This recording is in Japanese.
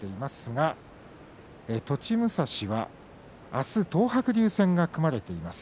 栃武蔵は明日東白龍戦が組まれています。